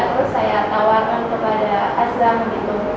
terus saya tawarkan kepada azam gitu